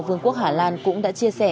vương quốc hà lan cũng đã chia sẻ